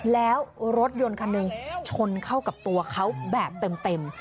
แล้วรถยนต์คันหนึ่งชนเข้ากับตัวเขาแบบเต็ม